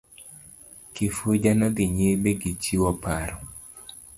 Kifuja nodhi nyime gichiwo paro.